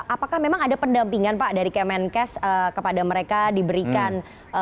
apakah memang ada pendampingan pak dari kemenkes kepada mereka diberikan